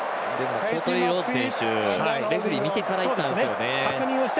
ここで、レフリーを見てから行ったんですよね。